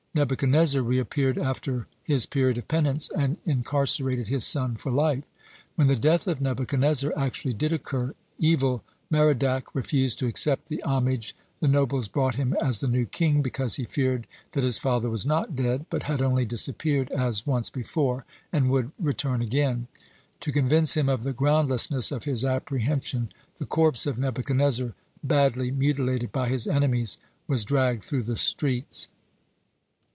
Nebuchadnezzar reappeared after his period of penance, and incarcerated his son for life. When the death of Nebuchadnezzar actually did occur, Evil merodach refused to accept the homage the nobles brought him as the new king, because he feared that his father was not dead, but had only disappeared as once before, and would return again. To convince him of the groundlessness of his apprehension, the corpse of Nebuchadnezzar, badly mutilated by his enemies, was dragged through the streets.